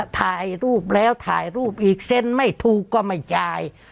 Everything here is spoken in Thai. ถ่ายรูปแล้วถ่ายรูปอีกเซ็นไม่ถูกก็ไม่จ่าย